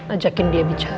ajakin dia bicara